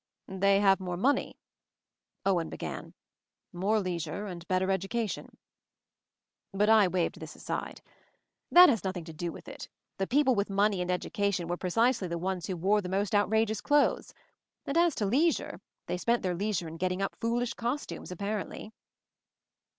"They have more money," Owen began, "more leisure and better education." But I waved this aside. "That has nothing to do with it. The people with money and education were pre cisely the ones who wore the most out rageous clothes. And as to leisure — they spent their leisure in getting up foolish cos tumes, apparently."